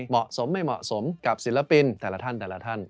เหมาะสมไม่เหมาะสมกับศิลปินแต่ละท่านแต่ละท่าน